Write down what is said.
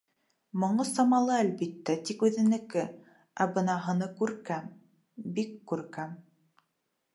Моңо самалы, әлбиттә, тик үҙенеке, ә бына һыны күркәм, бик күркәм.